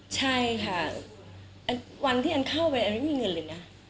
ใช่ค่ะวันที่อันเข้าไปอันไม่มีเงินเลยนะ